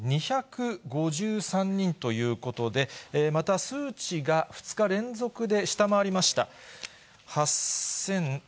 ８２５３人ということで、また数値が２日連続で下回りました。